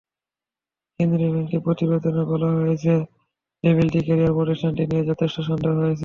কেন্দ্রীয় ব্যাংকের প্রতিবেদনে বলা হয়েছে, লেভেল থ্রি ক্যারিয়ার প্রতিষ্ঠানটি নিয়ে যথেষ্ট সন্দেহ রয়েছে।